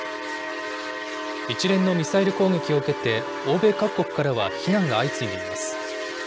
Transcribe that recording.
一連のミサイル攻撃を受けて、欧米各国からは非難が相次いでいます。